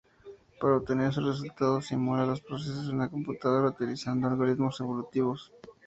Para obtener sus resultados simula los procesos en una computadora utilizando algoritmos evolutivos.